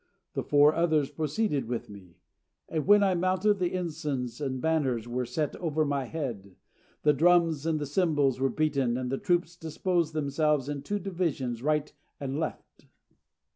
The four others proceeded with me; and when I mounted, the ensigns and banners were set up over my head, the drums and the cymbals were beaten, and the troops disposed themselves in two divisions, right and left.